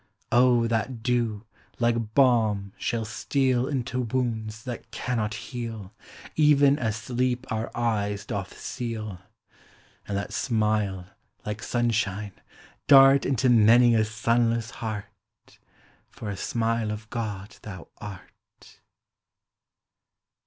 O, that dew, like balm, shall steal Into wounds that cannot heal. Even as sleep our eyes doth seal; And that smile, like sunshine, dart Into many a sunless heart. For a smile of God thou art.